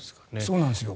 そうなんですよ。